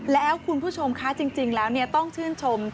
แล้วคุณผู้ชมคะจริงแล้วต้องชื่นชม